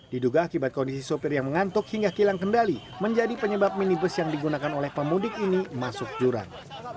diduga akibat kondisi sopir yang mengantuk hingga kilang kendali menjadi penyebab minibus yang digunakan oleh pemudik ini masuk jurang